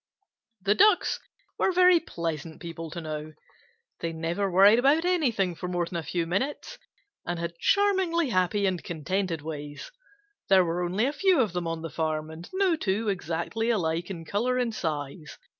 The Ducks were very pleasant people to know. They never worried about anything for more than a few minutes, and had charmingly happy and contented ways. There were only a few of them on the farm, and no two exactly alike in color and size.